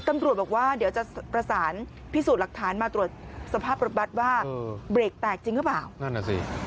ตำรวจบอกว่าเดี๋ยวจะประสานพิสูจน์หลักฐานมาตรวจสภาพรถบัตรว่าเบรกแตกจริงหรือเปล่านั่นน่ะสิ